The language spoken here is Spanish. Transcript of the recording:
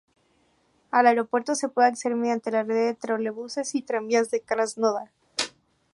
Al aeropuerto se puede acceder mediante la red de trolebuses y tranvías de Krasnodar.